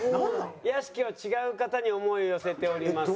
屋敷は違う方に想いを寄せております。